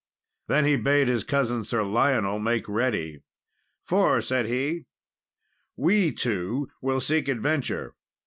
Then he bade his cousin Sir Lionel make ready, "for," said he, "we two will seek adventure."